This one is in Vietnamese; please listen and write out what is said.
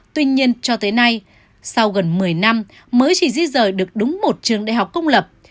tuy nhiên cho tới nay sau gần một mươi năm mới chỉ di rời được đúng một trường đại học công lập